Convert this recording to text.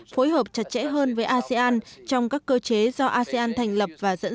phối hợp chặt chẽ hơn với asean trong các cơ chế do asean thành lập và dẫn d